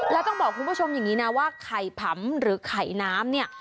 แล้วต้องบอกคุณผู้ชมอย่างนี้นะว่าไข่ผำหรือไข่น้ำเนี่ย